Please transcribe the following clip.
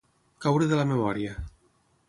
Caure de la memòria.